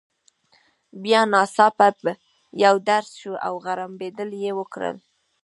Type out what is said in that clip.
بیا ناڅاپه یو درز شو، او غړمبېدل يې وکړل.